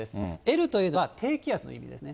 Ｌというのが、低気圧の意味ですね。